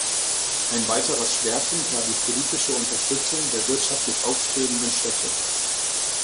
Ein weiterer Schwerpunkt war die politische Unterstützung der wirtschaftlich aufstrebenden Städte.